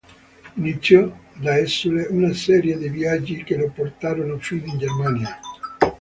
Iniziò, da esule, una serie di viaggi che lo portarono fino in Germania.